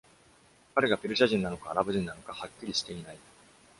彼がペルシャ人なのかアラブ人なのかはっきりしていない。